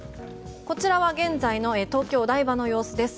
こちらは現在の東京・お台場の様子です。